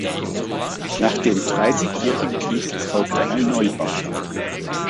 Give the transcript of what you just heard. Nach dem Dreißigjährigen Krieg erfolgte ein Neubau.